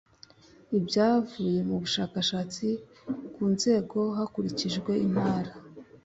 ibyavuye mu bushakashatsi ku nzego hakurikijwe intara